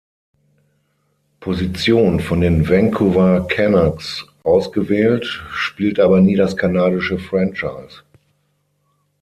Position von den Vancouver Canucks ausgewählt, spielte aber nie für das kanadische Franchise.